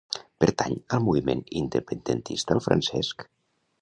Pertany al moviment independentista el Francesc?